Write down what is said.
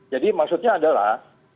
jadi maksudnya adalah